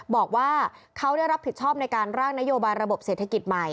บอกว่าเขาได้รับผิดชอบในการร่างนโยบายระบบเศรษฐกิจใหม่